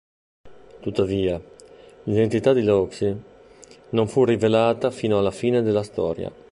Tuttavia, l'identità di Lucy non fu rivelata fino alla fine della storia.